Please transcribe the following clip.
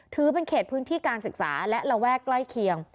ถือเป็นเขตพื้นที่การศึกษาและระแวกใกล้เคียง